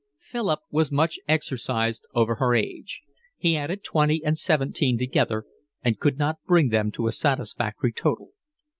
Philip was much exercised over her age. He added twenty and seventeen together, and could not bring them to a satisfactory total.